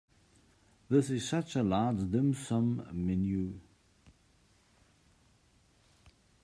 This is such a large dim sum menu.